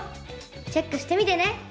チェックしてみてね！